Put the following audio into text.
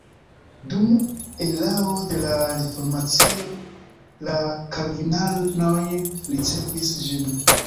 Dum erao de la reformacio la kalvinanoj ricevis ĝin.